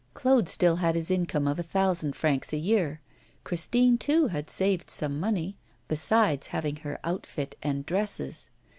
Claude still had his income of a thousand francs a year; Christine, too, had saved some money, besides having her outfit and dresses.